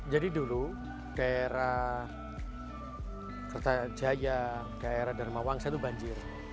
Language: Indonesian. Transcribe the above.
jadi dulu daerah kertajaya daerah dharmawangsa itu banjir